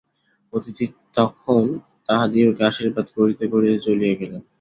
অতিথি তখন তাঁহাদিগকে আশীর্বাদ করিতে করিতে চলিয়া গেলেন।